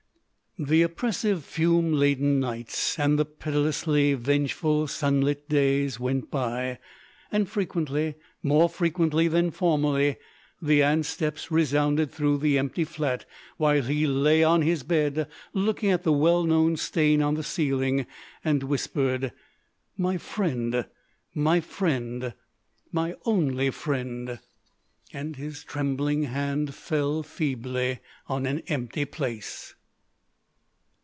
The oppressive fume laden nights, and the pitilessly vengeful sun lit days, went by: and frequently, more frequently than formerly, the Aunt's steps resounded through the empty flat, while he lay on his bed looking at the well known stain on the ceiling, and whispered: "My friend, my friend, my only friend!" And his trembling hand fell feebly on an empty place.